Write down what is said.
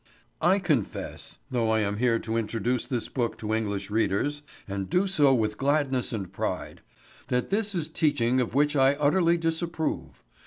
I confess, though I am here to introduce this book to English readers, and do so with gladness and pride, that this is teaching of which I utterly disapprove.